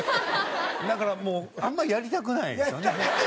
だからもうあんまやりたくないですよね。